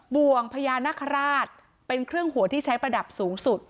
บ่วงพญานาคาราชเป็นเครื่องหัวที่ใช้ประดับสูงสุด